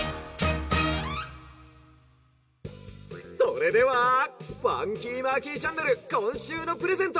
「それではファンキーマーキーチャンネルこんしゅうのプレゼント